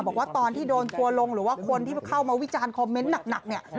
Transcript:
บอกว่าตอนที่โดนทัวร์ลงหรือว่าคนที่เข้ามาวิจารณ์คอมเมนต์หนักเนี่ย